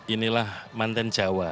inilah mantan jawa